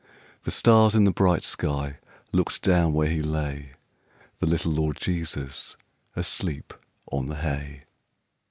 The stars in the bright sky looked down where he lay The little Lord Jesus asleep on the hay.